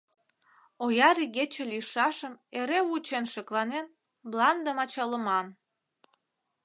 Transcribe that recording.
Ояр игече лийшашым эре вучен-шекланен, мландым ачалыман.